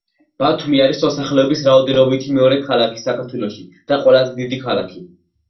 ბათუმი არის მოსახლეობის რაოდენობით მეორე ქალაქი საქართველოში და ყველაზე დიდი ქალაქი